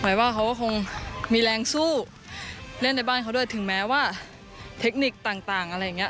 ว่าเขาก็คงมีแรงสู้เล่นในบ้านเขาด้วยถึงแม้ว่าเทคนิคต่างอะไรอย่างเงี้